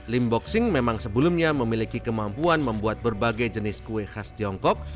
lim boxing memang sebelumnya memiliki kemampuan membuat berbagai jenis kue khas tiongkok